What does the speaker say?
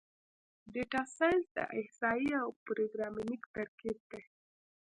ډیټا سایننس د احصایې او پروګرامینګ ترکیب دی.